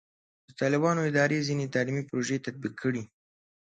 د طالبانو اداره ځینې تعلیمي پروژې تطبیق کړي.